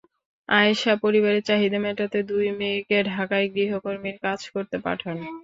আয়েশা পরিবারের চাহিদা মেটাতে দুই মেয়েকে ঢাকায় গৃহকর্মীর কাজ করতে পাঠান।